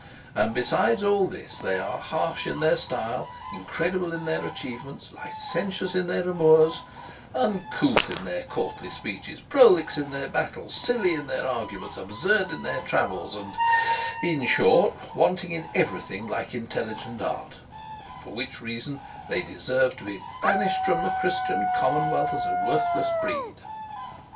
And besides all this they are harsh in their style, incredible in their achievements, licentious in their amours, uncouth in their courtly speeches, prolix in their battles, silly in their arguments, absurd in their travels, and, in short, wanting in everything like intelligent art; for which reason they deserve to be banished from the Christian commonwealth as a worthless breed."